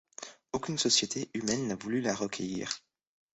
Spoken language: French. Aucune société humaine n’a voulu la recueillir.